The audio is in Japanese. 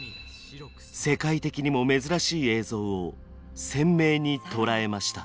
世界的にも珍しい映像を鮮明に捉えました。